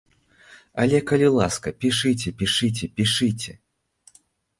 Але калі ласка, пішыце, пішыце, пішыце!